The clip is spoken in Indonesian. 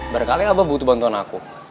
baru kali abah butuh bantuan aku